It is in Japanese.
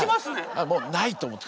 あっもうないと思って。